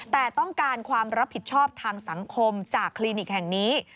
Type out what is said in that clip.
แต่ต้องการความรับผิดชอบทางสังคมจากคลินิกแห่งนี้